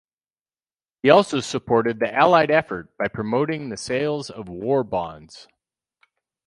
He also supported the Allied effort by promoting the sales of war bonds.